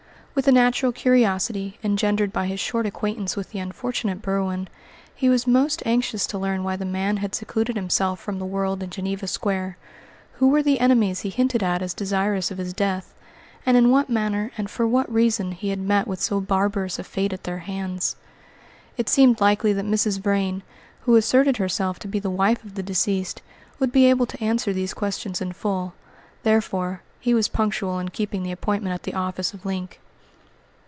With a natural curiosity, engendered by his short acquaintance with the unfortunate Berwin, he was most anxious to learn why the man had secluded himself from the world in Geneva Square; who were the enemies he hinted at as desirous of his death; and in what manner and for what reason he had met with so barbarous a fate at their hands. It seemed likely that Mrs. Vrain, who asserted herself to be the wife of the deceased, would be able to answer these questions in full; therefore, he was punctual in keeping the appointment at the office of Link.